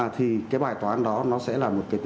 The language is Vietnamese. thì cái bài tòa án đó nó sẽ là một cái tổng thể